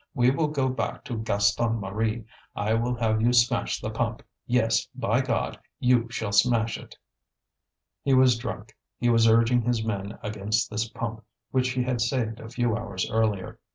we will go back to Gaston Marie. I will have you smash the pump; yes, by God! you shall smash it!" He was drunk; he was urging his men against this pump which he had saved a few hours earlier.